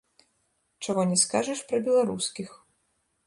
Чаго не скажаш пра беларускіх.